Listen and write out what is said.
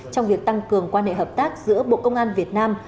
trong việc tăng cường quan hệ hợp tác giữa bộ công an việt nam